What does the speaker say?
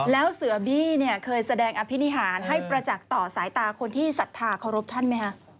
แล้วเสือบี้เนี่ยเคยแสดงอภินิหารให้ประจักษ์ต่อสายตาคนที่ศรัทธาเคารพท่านไหมคะ